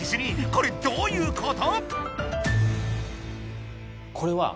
これどういうこと⁉さぁ